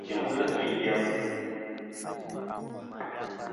Tim ghi sûyn yem.